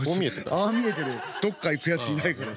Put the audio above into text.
「ああ見えて」でどっか行くやついないから。